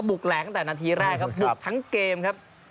แหลงตั้งแต่นาทีแรกครับบุกทั้งเกมครับ